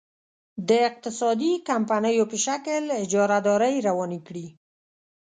د اقتصادي کمپنیو په شکل اجارادارۍ روانې کړي.